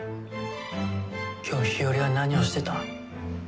今日日和は何をしてた？